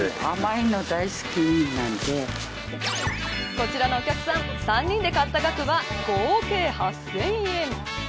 こちらのお客さん３人で買った額は合計８０００円。